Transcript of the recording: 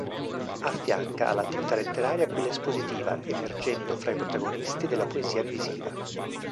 Affianca all'attività letteraria quella espositiva, emergendo fra i protagonisti della Poesia visiva.